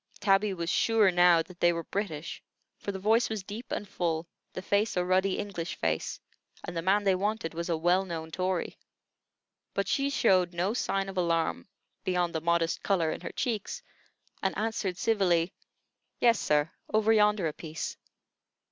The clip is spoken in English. Tabby was sure now that they were British; for the voice was deep and full, the face a ruddy English face, and the man they wanted was a well known Tory. But she showed no sign of alarm, beyond the modest color in her cheeks, and answered civilly: "Yes, sir, over yonder a piece."